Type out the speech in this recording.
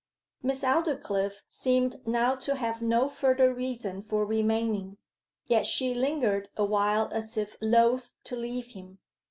Miss Aldclyffe seemed now to have no further reason for remaining, yet she lingered awhile as if loth to leave him.